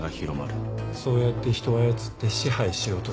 そうやって人を操って支配しようとしてるんだよ。